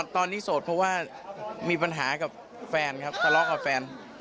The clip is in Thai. ตอนนี้โสดเพราะว่ามีปัญหากับแฟนครับทะเลาะกับแฟน